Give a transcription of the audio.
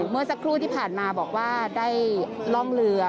เมื่อสักครู่ที่ผ่านมาบอกว่าได้ล่องเรือ